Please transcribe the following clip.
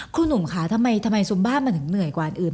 คุณหนุ่มคะทำไมซุมบ้ามันเหนื่อยกว่าอันอื่น